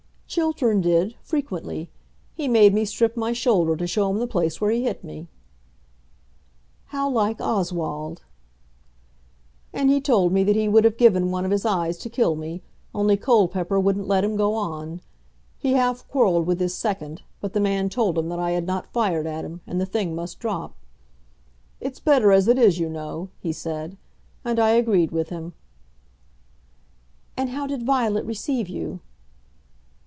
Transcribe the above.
"Chiltern did, frequently. He made me strip my shoulder to show him the place where he hit me." "How like Oswald!" "And he told me that he would have given one of his eyes to kill me, only Colepepper wouldn't let him go on. He half quarrelled with his second, but the man told him that I had not fired at him, and the thing must drop. 'It's better as it is, you know,' he said. And I agreed with him." "And how did Violet receive you?"